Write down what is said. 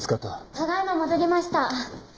ただ今戻りました。